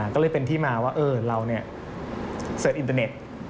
ก็เลยเป็นที่มาว่าเราเสิร์ชอินเตอร์เน็ต